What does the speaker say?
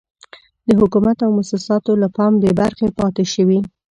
د حکومت او موسساتو له پام بې برخې پاتې شوي.